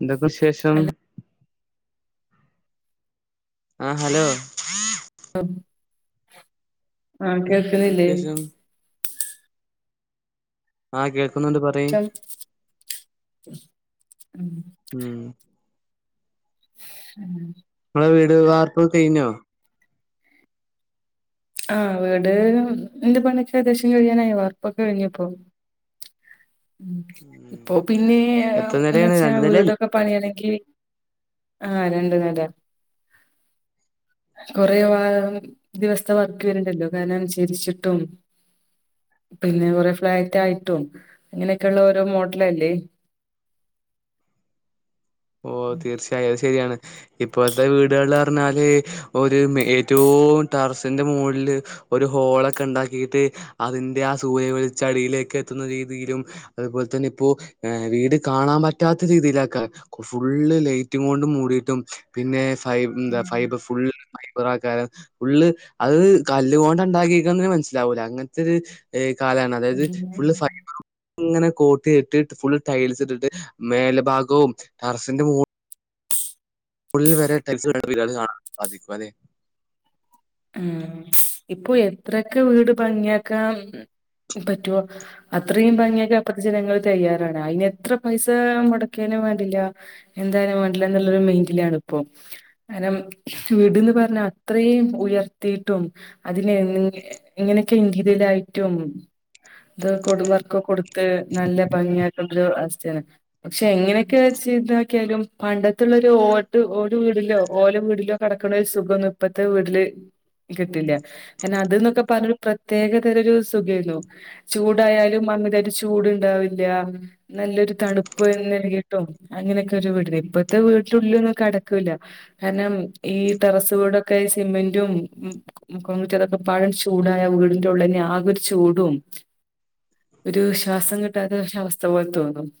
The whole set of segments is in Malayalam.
എന്തൊക്കെ ശേഷം ഹലോ ആഹ ഹലോ ആഹ കേക്കുന്നില്ലേ ആഹ കേ ുന്നു എന്ത് പറയും ശം ഉം ഉ ഉം വീട് വാർത്ത കഞ്ഞോ ആഹ വീട് എന്റെ പണൊക്കെ ഏകദേശം കഴിയാനായി വർപ്പൊക്കെ കഴിഞ്ഞപ്പോൊ ഉ ഇപ്പൊ പിന്നെ എത്ര എ നിലയാണ് വച്ചാ രണ്ട് നിലയല്ലേ വീടൊക്കെ പണിയാണെങ്കിൽ ആഹ രണ്ടു നേരം കുറേ വ ദിവസ വർക്ക് വരണ്ടല്ലോ കാരന ചരിച്ചിട്ടും പിന്നെ കൊറെ ഫ്ലാറ്റ് ആയിട്ടും അങ്ങനെയൊക്കെ ഉള്ള ഓരോ മോഡലല്ലേ [inaudible] ഓ തീർച്ചയായും അത് ശരിയാണ് ഇപ്പോഴത്തെ വീടുകള് പറഞ്ഞാല് ഒരു ഏറ്റവും ടറസിന്റെ മുകളില് ഒരു ഹോളൊക്കെ ഇണ്ടാക്കിയിട്ട് അതിന്റെ ആ സൂര്യ വെളിച്ചടിയിലേക്ക് എത്തുന്ന രീതിയിലും അതുപോലെ, തന്നെ ഇപ്പോ വീട് കാണാൻ പറ്റാത്ത രീതിയിലാക്ക ഫുള്ള് ലൈറ്റ് ങ്ങോണ്ടപ മൂടിയിട്ടും പിന്നെ ഫ എന്താ ഉം ഫൈബർ ഫുള്ള് ഫൈബറൂം കാരം ഫുള്ള് അത് കല്ല്കൊണ്ട ഉണ്ടാക്കിരിക്ക മനസ്സിലാവൂല അങ്ങനത്തെ ഒരു കാലാണ് അതായത് ഉം ഫുള് ഫൈബരും ഇങ്ങനെ കോട്ടീ ഇട്ടിട്ട് ഫുൾ ടൈൽസ് ഇട്ടിട്ട് മേല് ഭാഗവും ടറസിന്റെ മോ ഉള്ളിൽ വരെ ടെൽസ് കാണാൻ സാധിക്കും അതെ ഉം ഇപ്പൊ എത്രയൊക്കെ വീട് ഭംഗിയാക്കാ ൻ പറ്റുവ അത്രയും ഭംഗിയൊക്കെ ഇപ്പത്തെ ജനങ്ങള് തയ്യാറാണ് അതിന് എത്ര പൈസ മുടക്കി യാലും വെട്ടില്ല എന്താലും വേണ്ടാല്യന്ന് ഉള്ള മയിന്റ്ലാണ്പ്പോ വീട്ന്ന് അത്രീ ഞ്ഞ അത്രേം ഉയർന്നാ ത്തിട്ടും അതിനെ എങ്ങനെയൊക്കെ ഇനതിരിയലയിട്ടും അത് കൊടുംബർക്ക കൊടുത്ത് നല്ല ഭംഗിയാക്കേണ്ട ഒരു അവസ്ഥയാണ് പക്ഷെ എങ്ങനെയൊക്കെ വെ ച്ചക്കിന്താക്കിയാലും പണ്ടത്തുള്ളരു ഓട്ട് ഓട് വീടിലോ ഓല വീടിലോ കിടക്കുന്ന സുഖം ഇപ്പത്തെ വീട്ടില് കിട്ടില്യ കാരണം അത് എന്ന് പ പറഞ്ഞ ഒരു പ്രത്യേകതര ഒരു സുഖന്നു ചൂടായാലും [unintelligible] ചൂട്ണ്ടാവില്ല. നല്ലൊരു തണുപ്പ് നൽകിട്ടും അങ്ങനെക്കെ ഒരു വിടെനു ഇപ്പത്തെ വീട്ടുള്ളിലൊന്നും കെടക്കൂല്ല കാരണം ഈ ടെറസ് വിടൊക്കെ ഈ സിമെന്റും. [unintelligible] പഴം ചൂടായ വീടിന്റെ ഉള്ളന്നെ ആകൊരു ചൂടും ഒരു ശ്വാസം കിട്ടാത്തക്ഷ അവസ്ഥ പോലെ തോന്നും [inaudible]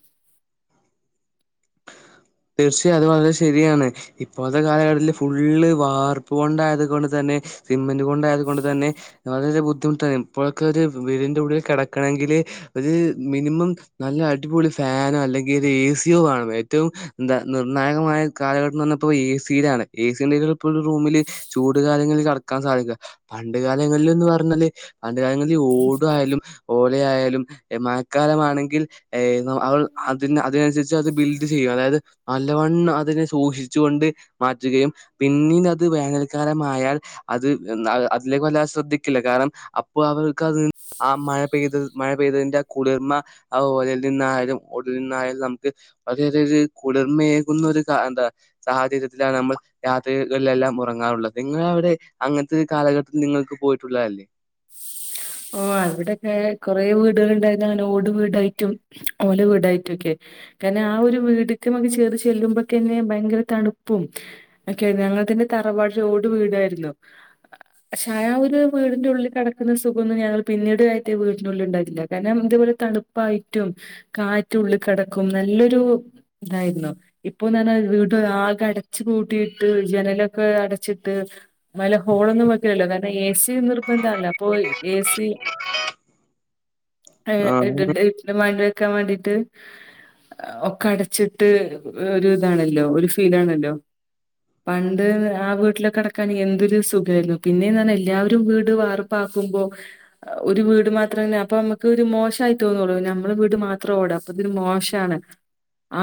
ക്ഷ അത് വളരെ ശരിയാണ് ഇപ്പോഴത്തെ കാലഘട്ടതിലാത് ഫുള്ള് വാർപ്പ് കൊണ്ടായത് കൊണ്ട് തന്നെ സിമ്മന്റ് കൊണ്ടായത് കൊണ്ട് തന്നെ വളരെരെ ബുദ്ധിമുട്ടാണ് ഇപ്പോഴൊക്കെ ഒരു വീടിന്റെ ഉള്ളിൽ കിടക്കണങ്കില് ഒരു മിനിമം നല്ല അടിപൊളി ഫെനോ അല്ലെങ്കിൽ ഒരു ഏ സിയോ വേണം ഏറ്റവും എന്താ നിർണ്ണായകമായ കാലഘട്ടം എന്ന് പറഞ്ഞപ്പോ എ സിയുടെ ആണ് എ സി ഇണ്ടങ്കിലു ഇപ്പൊരു റൂമില് ചൂട് കാലങ്ങളി ല് കിടാക്കാൻ സാധിതാ പണ്ട് കാലങ്ങളിലന്ന് പറഞ്ഞാല് പണ്ട് കാലങ്ങള ഓട ആയാലും ആയാലും മഴക്കാലമാണെങ്കിൽ അവ അതിന് അതിനനുസരിച്ച് അത് ബിൽഡ് ചെയ്യും അതായത് നല്ലവണ് അതിനെ സൂക്ഷിച്ചു കൊണ്ട് മാറ്റുകയും പിന്നീട് അത് വേനൽക്കാലമായാൽ അത് അതിലേക്ക് വല്ലാതെ ശ്രദ്ധിക്കില്ല കാരണം അപ്പോ അവർക്ക് അത് ആഹ് മഴ പെയ്ത് മഴ പെയ്തന്റെ ആഹ് കുളിർമ ആഹ് ഓലൽ നിന്നായാലും ഒടൽ നിന്നായാലും നമുക്ക് വളരെ കുളിറ്മ ഏകുന്ന ഒരു എന്താ സാഹചര്യത്തിലാണ് നമ്മൾ യാത്രികളിലെല്ലാം ഒറങ്ങാറുള്ളത് നിങ്ങ വി ട്അങ്ങൻത്തെ ഒരു കാലഘട്ടത്തിൽ നിങ്ങൾക്ക് പോയിട്ടുള്ളതല്ലേ. [inaudible] ഓ അവിടെക്കെ കൊറെേ വീടുകളുണ്ടായിന്നു അങ്ങനെ ഓട് വീടായിട്ടും ഓല വീടായിട്ടും ഒക്കെ കാരണം ആഹ് ഒരു വീടക്കൊക്കെ ചേറിചെല്ലുമ്പോക്കന്നെ ഭയങ്കര തണുപ്പും ഒക്കെ ഞങ്ങൾ ന്റെ തറവാട് ഓട് വീടായിരുന്നു പക്ഷ ഒരു വീടിന്റെ ഉള്ളിൽ കിടക്കുന്ന സുഖ സുഖന്നും ഞങ്ങൾ പിന്നീട് കയറ്റിയ വീനുള്ളിണ്ടാവില്ല കാര്ണം ഇന്റെ വീട് തണുപ്പായിട്ടും കാറ്റുള്ളി കടക്കും നല്ലൊരു ഇതായിരുന്നു ഇപ്പന്ന് പറഞ്ഞാൽ വീട് ആകെ അടച്ച് കൂട്ടിയിട്ട് ജനലൊക്കെ അടച്ചിട്ട് വല ഹോളൊന്നും വെക്കലല്ലോ കാരണം എ സി നിർബന്താണലോ അപ്പൊ ഏ സി ആഹ് [unintelligible] വെക്കാൻ വേണ്ടിട്ട് ഒക്കെ അടച്ചിട്ട് ഒരു ഇതാണല്ലോ ഒരു ഫീലാണല്ലോ പണ്ട് ആഹ് വീട്ടിലൊ കെടക്കാൻ എന്തൊരു സുഖായിരുന്നു പിന്നെന്ന് പറഞ്ഞ എല്ലാവരും വീട് വാർപ്പാക്കുമ്പോ ഒരു വീട് മാത്രങ്ങനെ അപ്പൊ നമുക്ക് ഒരു മോശായി തോന്നൊള്ളു നമ്മളെ വീട് മാത്രം ഓട് അപ്പ മോ മോശാണ്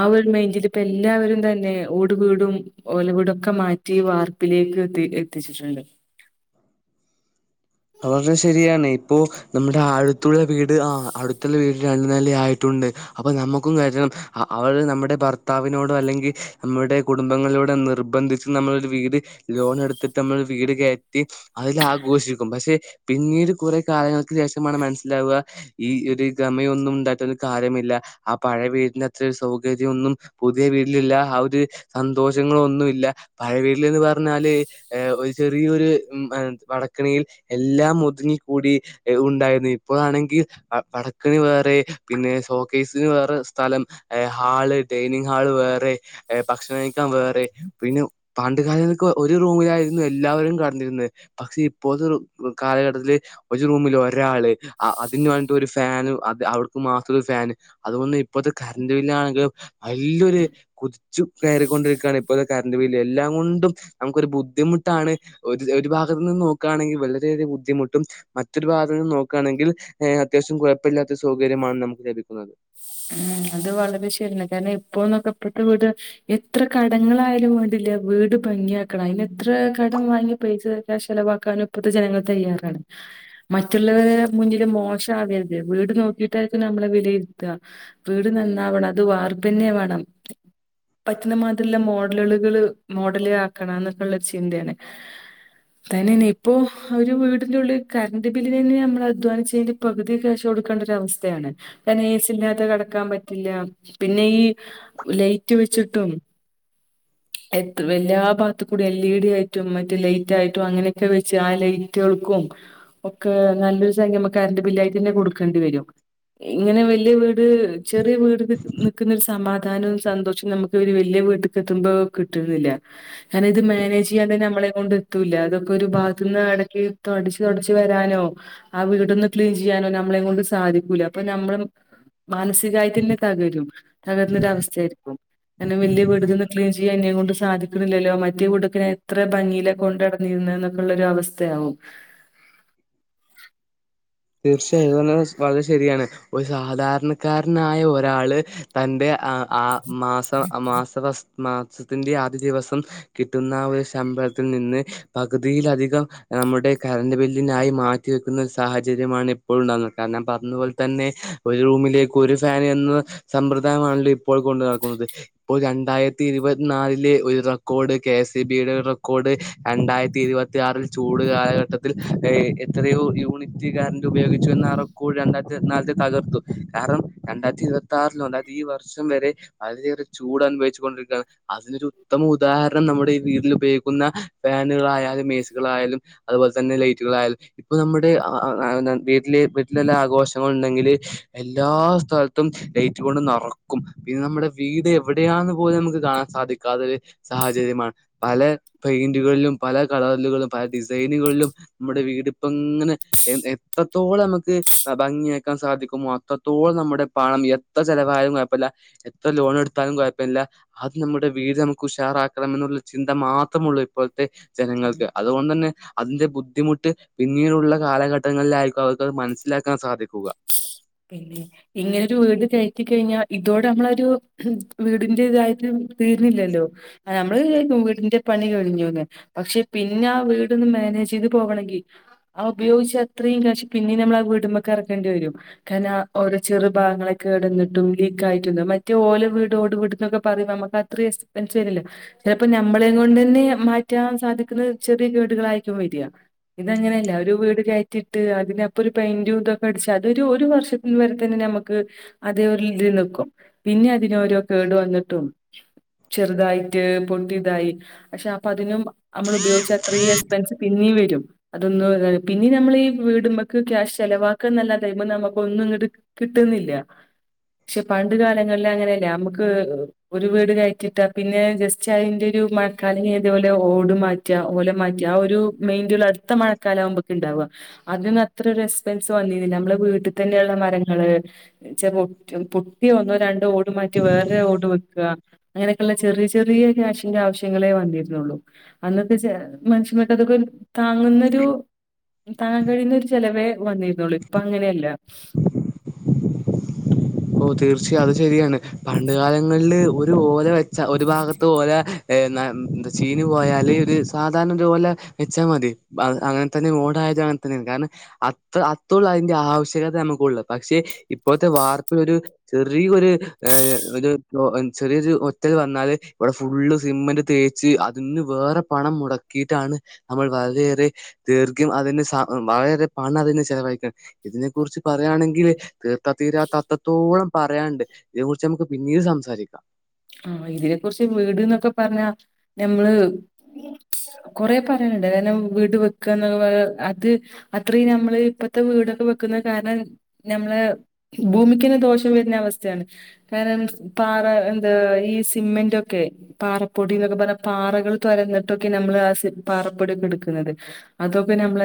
ആ ഒരു മൈൻഡില് ഇപ്പ എല്ലാവരും തന്നെ ഓട് വീടും ഓലവീടും ഒക്കെ മാറ്റി വാർപ്പിലേ ഈലു എത്തി എത്തിച്ചിട്ടുണ്ട് അവർഞ്ഞ ശരിയാണ് ഇപ്പോ നമ്മുടെ അഴുത്തുള്ള വീട് ആഹ് അടുത്തുള്ള വീട് രണ്ടു നെല ആയിട്ടുണ്ട് അപ്പൊ നമുക്കും [unintelligible] അ അവള് നമ്മുടെ ഭർത്താവിനോടൊ അല്ലെങ്കി നമ്മു ടെ കുടുംബങ്ങളിലൂടെ നിർബന്ധിച്ച് നമ്മളരു വീട് ലോൺ എടുത്തിട്ട് നമ്മൾ വീട്കയറ്റി അതി ആഗോഷു പക്ഷെ പിന്നീട് കുറ കാലയങ്ങൾക്ക് ശേഷമാണ് മനസ്സിലാവുക ഈ ഒരു ഗമയൊന്നും ഉണ്ടായിട്ട കാര്യമില്ല ആ പഴയ വീടിന്റെ അത്ര ഒരു സൗകാര്യമൊന്നും പുതിയ വീട്ടിലില്ല ആ ഒരു സന്തോഷി ങ്ങള ഒന്നുമില്ല പഴവീട്ടൽന്ന് പറഞ്ഞാല് ഒരു ചെറിയരു വടക്കിണിയിൽ എല്ലാം ഒതുങ്ങിക്കൂടി ഉണ്ടായിരുന്നു ഇപ്പോഴാണെങ്കിൽ വ വടക്കണി വേറെ പിന്നെ സോ കേേസിന് വേറെ സ്ഥലം ഹാള് ഡൈനിംഗ് ഹാള് വേറെ ഭക്ഷണം നഴിക്കാൻ വേ പിന്നെ പാണ്ട് കാലങ്ങക്ക് ഒരു റൂമിലായിരുന്നു എല്ലാവരും കെടന്നിരുന്നേ പക്ഷെ ഇപ്പോത്തെറു കാലഘട്ടത്തില്ൽ ഒരു റൂമില് ഒരാള് അ അതിന് വേണ്ടിട്ട് ഒരു ഫാന് അത് അവർക്ക് മാത്രം ഫാാന് അതുകൊന്ന ഇപ്പഴത്തെ കറണ്ട്റ് ബില്ാണെങ്കിലും വല്ലൊരു കുതി ു കയറിക്കൊണ്ടിരിക്കുകയാണ് ചു ച്ചു കേറികൊണ്ട് ഇരിക്കയാണ് ഇപ്പോഴത്തെ കറണ്ട് ബില് എല്ലാം കൊണ്ടും നമുക്കൊരു ബുദ്ധിമുട്ടാണ് ഒരു ഒരു ഭാഗ അന്ന് നോക്കുകണെങ്കിൽവെള് വ ബദ്ധിമുട്ടും മറ്റൊരു ഭാഗത്ത്‌ നിന്ന് നോക്കുകയാണെങ്കിൽ അത്യാവിശ്യം കുഴപ്പമില്ലാത്ത സൗ കര്യമാണ് നമുക്ക് ലഭിക്കുന്ന ന്നത് [unintelligible] ഉ അത് വളരെ ശരിയാണ് കാരണം ഇപ്പോ നൊക്കെപ്പെട്ട വീട് എത്ര കടങ്ങളായാലുംവേണ്ടില്ല വീട് വീട് ഭംഗിയാക്കണം അതിനന് എത്ര കടം വാങ്ങി പൈസൊക്കെ ചെിലവാക്കാനും ഇപ്പഴത്തെ ജനങ്ങൾ തയ്യാറാണ്. മറ്റുള്ളവരു മുന്നില് മോശമാവരുത് വീട് നോക്കിയിട്ടായിരിക്കും നമ്മളെ വിലയിരുത്തുക. വീട് നന്നാവണം അത് വാർപ്പ്ന്നെ വേണം. പറ്റുന്ന മാതിരില്ല മോഡലുകള് മോഡല് ആക്കണം എന്നൊക്കെുള്ളരു ചിന്തയാണ് തന്നെ തന്നെ ഇപ്പൊ അവര് വീടിന്റെ ഉള്ളി കറണ്ട്റ് ബില്ലിന തന്നെ നമ്മൾ അധ്വാനിചതിന്റെ കഴി പകുതി കാശ്കെ കൊടുക്കേണ്ടര അവസ്ഥയാണ് നെസ്ഇല്ലാതെകെ ാൻ പറ്റില്ല പിന്നെ ഈ ലൈറ്റ് വെച്ചിട്ടും എത്ര എല്ലാ ഭാഗത്ത കൂടി എൽ ഇ ഡി ആയിട്ടും മറ്റ് ലൈറ്റ് ആയിട്ടും അങ്ങനെയൊക്കെ വെച്ച് ആ ലൈറ്റുകൾക്കും ഒക്കെ നല്ലൊരു സംയം കറണ്ട് ബില്ലായിട്ട് തന്നെ കൊടുക്കേണ്ടി വരും ഇങ്ങനെ വല്യ വീട് ചെറിയ വീട് നിൽക്കുന്ന ഒരു സമാധാനവും സന്തോഷവും നമുക്ക് ഇര് വലിയ വീട്ടക്ക്െത്തുമ്പോൾ കിട്ടുന്നില്ല. ഞാര ഇത് മാനേജ് ചെയ്യാൻ തന്നെ നമ്മളെ കൊണ്ട് എത്തൂല്ല അതൊക്കെ ഒരു ബാഗത്തെന്ന് അ ടയ്ക്ക് തൊടച്ച് തൊടച്ച് വ ചെയാനോ അ വീടൊന്ന്ക്ളീൻ ചെയ്യാനോനമ്മളെകൊണ്ട് സാധിക്കൂലഅപ്പൊ ഞമ്മളും മനസി തായിതന്നെ തകരും തകർന്നൊര അവസ്ഥആയിപ്പോം അങ്ങനെവല്യവീടു ക്ലീൻ ചെയ്യാൻ എന്നെ കൊണ്ട് സാധിക്കനില്ലല്ലോ മറ്റേവീടൊക്കെഞാൻ എത്ര ഭംഗിയിലെ കൊണ്ടടന്നിരുന്ന എന്നൊക്കെ ഉള്ള ഒരു അവസ്ഥ ആവും തീർച്ചയായത് നീപറഞ്ഞെ വളരെ ശരിയാണ് ഒരു സാധാരണക്കാരനായ ഒരാള് തന്റെഅ ആ മാസ മാസവസ് മാസത്തിന്റെ ആദ്യ ദിവസം കിട്ടുന്ന ഒരു ശമ്പളത്തിൽ നിന്ന് പകുതിയില അധികം നമ്മുടെ കറണ്ട് ബില്ലിനായി മാറ്റിവ വെക്കുന്ന സാഹച രുമാണ് ഇപ്പോഴും ഉണ്ടകുന്ന കാരണംഞാൻ പറഞ്ഞ പോലെ തന്നെ ഒരു റൂമിലേക്ക് ഒരു ഫൻ എന്ന സമ്പ്രദ ആണല്ലോ ഇപ്പോൾ കൊണ്ട് നടക്കുന്നത് ഇപ്പോൾ രണ്ടായിരത്തി ഇരുപത്തിനാലിലെ ഒരു റെക്കോർഡ് കെ എസ് ഇ ബിയുടെ റെക്കോർഡ് രണ്ടായിരത്തി ഇരുപത്തിയാറിൽ ചൂട് കാലഘട്ടത്തിൽ എത്രയോ യൂണിറ്റ് കറ് ഉപയോഗിച്ചു എന്ന കൂടി രണ്ടായിരത്തിനാത്തെ തകർത്തു കാരണം രണ്ടായിരത്തി ഇരുപത്തി ആറിലോരണ്ടാ ഈ വർഷം വരെ വളരെയേറെ ചൂട് അനുഭവിച്ചുണ്ടിരിക്കുകയാണ് അതിനൊരു ഉത്തമ ഉദാഹരണം നമ്മുടെ ഈ വീട്ടിലു ഉപയോഗിക്കുന്ന ഫാനുകളായാലും ഏ സുകളായാലും അതുപോലെ തന്നെ ലൈറ്റുകളായാലും ഇപ്പൊ നമ്മുടെ അ വീട്ടില് വീട്ടിലെല്ലാ ആഘോഷങ്ങള ഉണ്ടെങ്കിൽ എല്ലാ സ്ഥലത്തും ലൈറ്റ് കൊണ്ട് ന റക്കും ഇത് നമ്മുടെ വീട് എവിടെയാന്ന് പോലും നമുക്ക് കാണാൻ സാധിക്കാത്ത ഒരു സാഹചര്യമാണ് പല പെയിന്റുകളിലും പല കളറുകളും പല ഡിസൈനുകളിലും നമ്മുടെ വീടിപ്പ ഇങ്ങനെ.. എ എത്രത്തോളം നമുക്ക് ഭംഗിയാക്കാൻ സാധിക്കുമോ അത്രത്തോളം നമ്മുടെ പണം എത്ര ചിലവായ ഴപ്പല്ല എത്ര ലോൺ എടുത്താലും കുഴപ്പമില്ല അത് നമ്മുടെ വീട് നമ്മക്ക്ഉഷാറാക്കാംണമെന്നുള്ള ചിന്ത മാ ുള്ളൂ ഇപ്പോഴത്തെ ഉം ജനങ്ങൾക്ക് അതുകൊണ്ടു തന്നെ അതിന്റെ ബുദ്ധിമുട്ട് പിന്നീടുള്ള കാലഘട്ട ഘട്ടങ്ങളിലായിരിക്കും അവർക്ക്ത് മനസ്സിലാക്കാൻ സാധിക്കുക. പിന്നെ ഇങ്ങനെരു വീട് കയറ്റി കഴിഞ്ഞാൽ ഇതോടെ നമ്മളൊരു വീടിന്റെ ഇതായത് തീർന്നില്ലല്ലോ നമ്മള് വീടിന്റെ പണി കഴിഞ്ഞുന്ന് പക്ഷെ പിന്നെ ആ വീടന്നും ചെയ്ത് പോകണമെങ്കിൽ ആ ഉപയോഗിച്ച് അത്രയും പിന്നെയും നമ്മൾ ആ വീടുമ്പൊ ക ഇറക്കേണ്ടി വരും കാര ആ ഓരോ ചെറു ഭാഗങ്ങളൊക്കെ ഇടിട്ടും ലീക്ക് ആയിട്ട മറ്റേ ഓലോ വീട ഓട് വീടന്നക്കെ പറയ െല്ലോ ചിലപ്പോ നമ്മളെ കൊ തന്നെ മാറ്റാൻ സാധിക്കുന്ന ചെറിയ കേടുകളായി ഇത്ങ്ങനെയല്ല ഒരു വീട് കയറ്റിട്ട് അതിനപ്പൊ പെന്റും ഇതൊക്കെ അ അത ഒരു വർഷത്തി വരെ തന്നെ നമ്മുക്ക് അതേ ഇൽ നൽക്കും പിന്നെ അതിനോരോ കേട് വന്നിട്ടും ചെറുതായിട്ട് പൊട്ടിയ ഇതായി പക്ഷെ അപ്പൊ അതിനും നമ്മൾ ഉപയോഗിച്ച അത്ര എക്സ്പെൻസ് പിന്ന ും അതൊ പിന്നെ നമ്മൾ ഈ വീടുമ്പക്ക് ക്യാഷ് ചിലവാക്കാ നല്ലതുമ്പോ ന ഒന്നും ഇങ്ങട്ട് കിട്ടുന്നില്ല പക്ഷെ പണ്ട് കാലങ്ങളിൽ അങ്ങനെയല്ലേ നമുക്ക് ഒരു വീട് കയറ്റിട്ടാ പിന്നെ ജസ്റ്റ് അതിന്റെറെ ഒരു മഴക്കാലം ഇതേപോലെ ഓട മാറ്റലെ മാറ്റി ആ ഒരു മെന്റ അടുത്ത മഴക്കാല ആകുമ്പൊക്ക ഉണ്ടാവും അസ്പെന്ന നമ്മെ വ തള്ള മരങ്ങള് പുട്ടി ഒന്ന രണ്ട മാറ്റി വേറെ ഓട് വെക്കുക അങ്ങനെയൊക്കെയള്ള ചെറിയ ചെറിയ ക്യാഷിന്റെ ആവശ്യങ്ങളേ വന്നിരുന്നുള്ളു അന്നൊക്കെ മനുഷ്യനക്ക അതൊക്കെ താങ്ങുന്നൊരു താങ്ങാൻ കഴിയുന്നൊ ഒരു ചിലവേ വന്നിരുന്നുള്ളു ഇപ്പൊ അങ്ങനെയല്ല തീർച്ചയും അത് ശരിയാണ് പണ്ട കാലങ്ങളില് ഒരു ഓല വെച്ച ഒരു ഭാഗത്ത് ഓല ചീന് പോയാല് ഒരു സാധാരണ ഒരുപലെ വെച്ചാൽ മതി അങ്ങനെ തന്നെ മോട അ അത്ത അതിന്റെ ആവശ്യകത നമുക്ക ഉള്ള പക്ഷേ ഇപ്പോഴത്തെ വാർ ഒരു ചെറിയൊരു ചെറിയരു ഒറ്റൽ വന്നാല് ഇവിടെ ഫുള്ള് ന്റ് തേച്ച് അതിന് വേറെ പണം മുടക്കിയിട്ടാണ് നമ്മൾ വളരെയേറെ ദീർഘം വളരെ പണം അതിെ ചെലവഴിക്കണം ഇതിനെ കുറിച്ച് പറയുകയാണെങ്കിൽ തീർത്ഥ തീരാത്ത അത്രത്തോളം പറയാനുണ്ട് ഇതിനേ കുുറിച്ച് നമുക്ക് പിന്നീട് സംസാരിക്കാം ആഹ ഇതിനെ കുുറിച്ച് വീട്ന്നൊക്കെ പറഞ്ഞാ നഞമ്മള് കൊറേ പറയാനുണ്ട് കണം വീട് വെക്കുകന്ന് അത് അത്രയും നമ്മള് ഇപ്പത്തെ വീട് ട വെക്കുന്ന കാരണം നമ്മള ഭൂമിക്കിന് ദോഷം വരുന്ന അവസ്ഥയാണ് കാരണം പാറ ഈ സിമെന്റ്ൊക്കെ പാറപ്പൊടിന്നൊക്കെ പറഞ്ഞ പാറകൾ തുരന്നിട്ടൊക്കെ നമ്മൾ ആ അത നമ്മ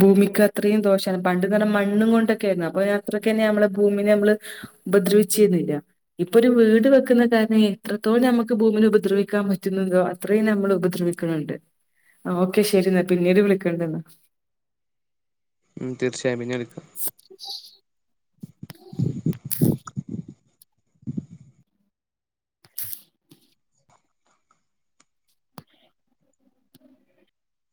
ഭൂമിക്ക് അത്രയും ദോഷമാണ് പണ്ട്െന്ന് പറഞ്ഞ മണ്ണും കൊണ്ടൊക്കെ ആരുന്നു അപ്പൊ അത്രയ്ക്കന്ന നമ്മളെ ഭൂമിനെ നമ്മള് ഉപദ്രവിച്ചിരുന്നില്ല ഇപ്പൊ ഒരു വീട് വെക്കുന്ന കാരണം എത്രത്തോളം നമുക്ക് ഭൂമിൽ ഉപദ്രവിക്കാൻ പറ്റുന്നുണ്ടോ അത്രേയും നമ്മൾ ഉപദ്രവിക്ക ണ്ട് ആ ഓക്കെ ശരിെന്നാ പിന്നീ ഇട് വിളിക്കണ്ടെന്നാ ഉ തീർച്ചയായും പിന്നെ എടുക്ക